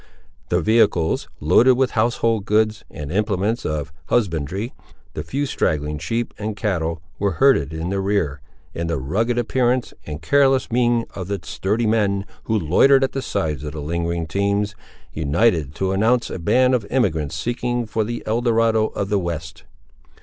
The vehicles, loaded with household goods and implements of husbandry, the few straggling sheep and cattle that were herded in the rear, and the rugged appearance and careless mien of the sturdy men who loitered at the sides of the lingering teams, united to announce a band of emigrants seeking for the Elderado of the West.